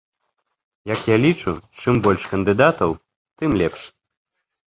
Як я лічу, чым больш кандыдатаў, тым лепш.